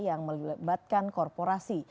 yang melibatkan korporasi